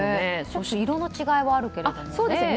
色の違いはあるけれどもね。